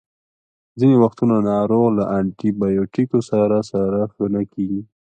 ځینې وختونه ناروغ له انټي بیوټیکو سره سره ښه نه کیږي.